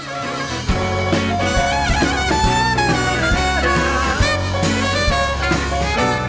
อ้าว